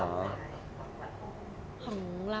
ของขวัญของเรา